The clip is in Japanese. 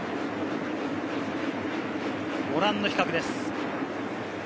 ご覧の比較です。